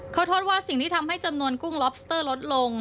เขาโทษว่าสิ่งที่ทำให้จำนวนกุ้งล็อบสเตอร์ลดลง